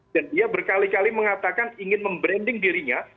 dan dia berkali kali mengatakan ingin membranding dirinya